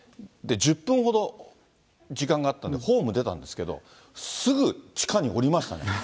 １０分ほど、時間があったんで、ホーム出たんですけど、すぐ地下に下りましたね。